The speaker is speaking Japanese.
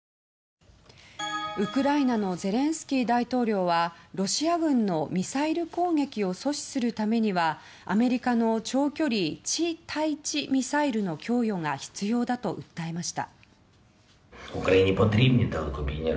ウクライナのゼレンスキー大統領はロシア軍のミサイル攻撃を阻止するためにはアメリカの長距離地対地ミサイルの供与が必要だと訴えました。